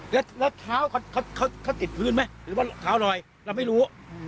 แล้วเท้าเขาติดพื้นมั้ยหรือว่าเท้าอะไรแล้วไม่รู้